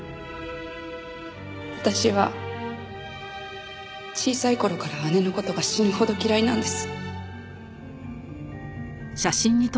私は小さい頃から姉の事が死ぬほど嫌いなんです。